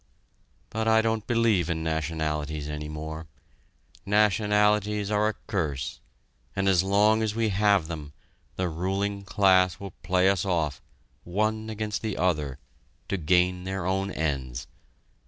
"But I don't believe in nationalities any more; nationalities are a curse, and as long as we have them, the ruling class will play us off, one against the other, to gain their own ends.